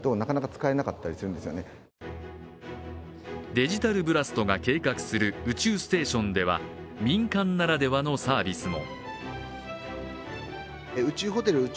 デジタルブラストが計画する宇宙ステーションでは、民間ならではのサービスも。